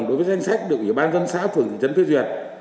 đối với danh sách được ủy ban dân xã phường thị trấn phê duyệt